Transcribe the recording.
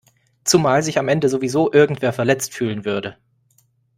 Zumal sich am Ende sowieso irgendwer verletzt fühlen würde.